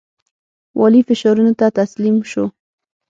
والي فشارونو ته تسلیم شو.